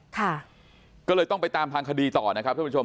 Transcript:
ค่ะก็เลยต้องไปตามทางคดีต่อนะครับท่านผู้ชม